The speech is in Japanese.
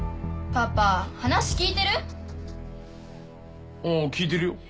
パパ話聞いてる？